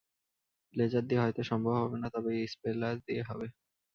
Laser দিয়ে হয়তো সম্ভব হবে না, তবে ইম্পেলার দিয়ে হবে।